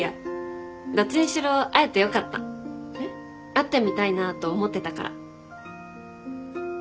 会ってみたいなと思ってたから。